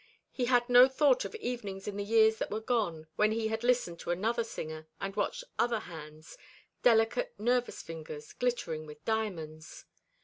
He had no thought of evenings in the years that were gone, when he had listened to another singer, and watched other hands, delicate nervous fingers, glittering with diamonds.